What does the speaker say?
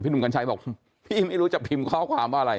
พี่หนุ่มกัญชัยบอกพี่ไม่รู้จะพิมเคาะความเป็นอะไร